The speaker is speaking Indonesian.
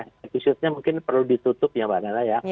episodenya mungkin perlu ditutup ya mbak nana ya